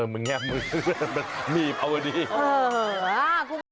มันแง่มมีป่าวดี